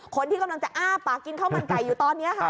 คนที่กำลังจะอ้าปากกินข้าวมันไก่อยู่ตอนนี้ค่ะ